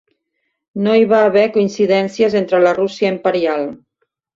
No hi va haver coincidències entre la Rússia Imperial.